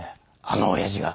あの親父が。